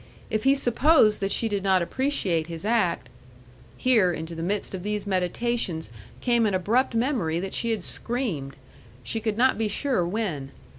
If he supposed that she did not appreciate his act Here into the midst of these meditations came an abrupt memory that she had screamed she could not be sure when.